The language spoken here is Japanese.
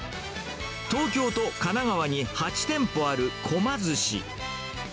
東京と神奈川に８店舗ある独楽寿司。